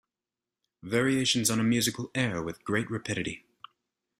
Variations on a musical air With great rapidity.